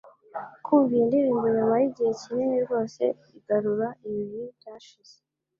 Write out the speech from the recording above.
Kumva iyi ndirimbo nyuma yigihe kinini rwose igarura ibihe byashize